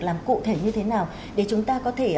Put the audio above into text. làm cụ thể như thế nào để chúng ta có thể